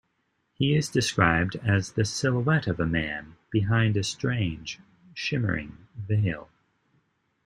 He is described as the silhouette of a man behind a strange, shimmering veil.